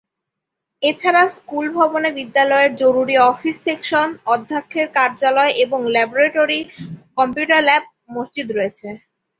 এছাড়া স্কুল ভবনে বিদ্যালয়ের জরুরী অফিস সেকশন, অধ্যক্ষের কার্যালয় এবং ল্যাবরেটরি, কম্পিউটার ল্যাব, মসজিদ রয়েছে।